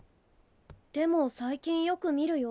でも最近よく見るよ。